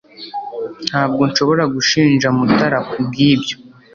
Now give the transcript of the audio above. ntabwo nshobora gushinja mutara kubwibyo